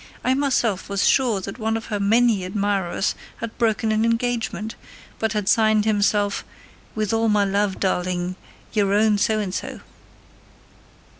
"I myself was sure that one of her many admirers had broken an engagement, but had signed himself, 'With all my love, darling your own So and so!'"